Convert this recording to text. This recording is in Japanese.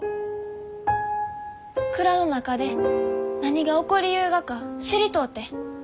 蔵の中で何が起こりゆうがか知りとうて。